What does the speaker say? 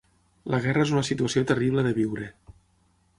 La guerra és una situació terrible de viure.